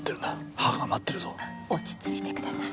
母が待ってるぞ落ち着いてください